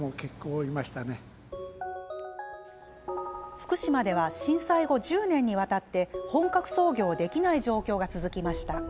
福島では震災後１０年にわたって本格操業できない状況が続きました。